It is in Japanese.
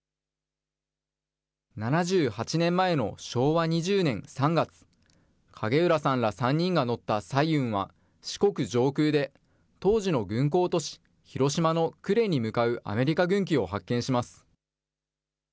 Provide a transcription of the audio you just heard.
７８年前の昭和２０年３月、影浦さんら３人が乗った彩雲は、四国上空で当時の軍港都市、広島の呉に向かうアメリカ軍機を発見します。